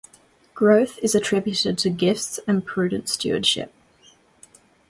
Growth is attributed to gifts and prudent stewardship.